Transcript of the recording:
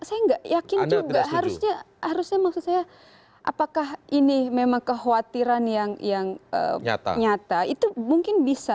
saya nggak yakin juga harusnya harusnya maksud saya apakah ini memang kekhawatiran yang nyata itu mungkin bisa